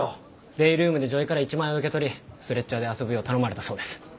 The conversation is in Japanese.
デイルームで女医から１万円を受け取りストレッチャーで遊ぶよう頼まれたそうです。